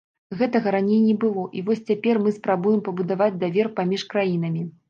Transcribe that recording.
Гэтага раней не было, і вось цяпер мы спрабуем пабудаваць давер паміж краінамі.